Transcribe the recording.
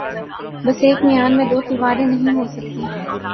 بس ایک میان میں دو تلواریں نہیں ہوسکتیں